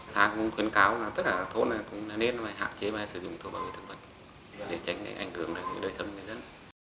xã cũng khuyến cáo là tất cả thôn cũng nên hạ chế và sử dụng thuốc bảo vệ thực vật để tránh để ảnh hưởng đến đời sân người dân